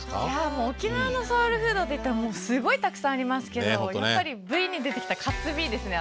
もう沖縄のソウルフードっていったらもうすごいたくさんありますけどやっぱりＶに出てきた「カツＢ」ですね